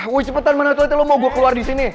woi cepetan mana toiletnya lo mau gua keluar disini